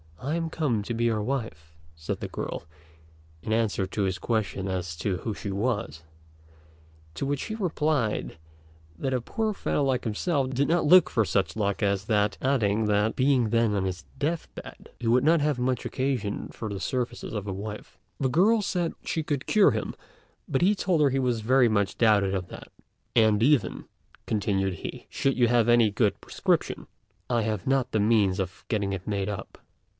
"I am come to be your wife," said the girl, in answer to his question as to who she was; to which he replied that a poor fellow like himself did not look for such luck as that; adding that, being then on his death bed, he would not have much occasion for the services of a wife. The girl said she could cure him; but he told her he very much doubted that; "And even," continued he, "should you have any good prescription, I have not the means of getting it made up."